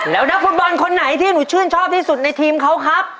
แล้วนักฟุตบอลคนไหนที่หนูชื่นชอบที่สุดในทีมเขาครับ